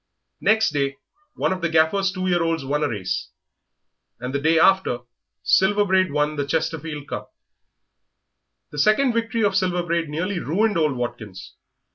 Next day one of the Gaffer's two year olds won a race, and the day after Silver Braid won the Chesterfield Cup. The second victory of Silver Braid nearly ruined old Watkins.